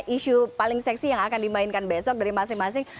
isu paling seksi yang akan dimainkan besok dari masing masing